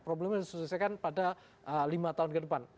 problem yang harus diselesaikan pada lima tahun ke depan